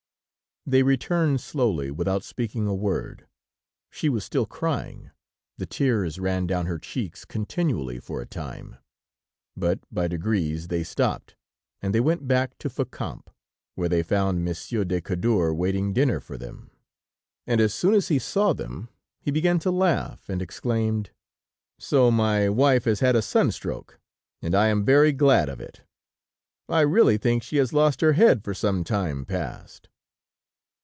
They returned slowly, without speaking a word. She was still crying; the tears ran down her cheeks continually for a time, but by degrees they stopped, and they went back to Fécamp, where they found Monsieur de Cadour waiting dinner for them, and as soon as he saw them, he began to laugh, and exclaimed: "So my wife has had a sunstroke, and I am very glad of it. I really think she has lost her head for some time past!"